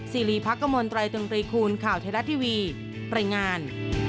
ซีรีส์พระกัมมตรย์ตุ๋นตรีคูณข่าวเทราะทีวีเปรย์งาน